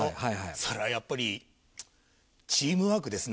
それはやっぱりチームワークですね